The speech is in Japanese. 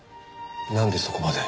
なんでそこまで？